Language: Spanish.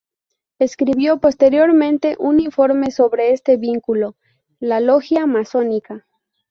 Escribió posteriormente un informe sobre este vínculo: La logia masónica.